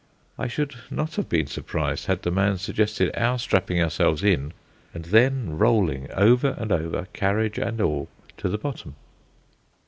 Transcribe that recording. I should not have been surprised had the man suggested our strapping ourselves in, and then rolling over and over, carriage and all, to the bottom.